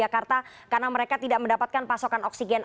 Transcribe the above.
karena mereka tidak mendapatkan pasokan oksigen